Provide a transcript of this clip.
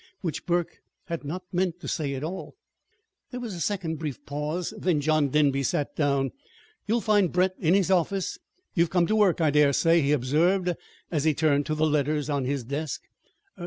which Burke had not meant to say at all. There was a second brief pause, then John Denby sat down. "You will find Brett in his office. You have come to work, I dare say," he observed, as he turned to the letters on his desk.